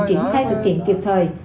triển khai thực hiện kịp thời